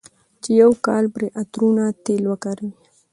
چې يو کال پرې عطرونه، تېل وکاروي،